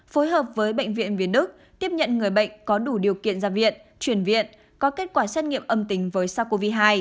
phối hợp với bệnh viện việt đức tiếp nhận người bệnh có đủ điều kiện ra viện chuyển viện có kết quả xét nghiệm âm tính với sars cov hai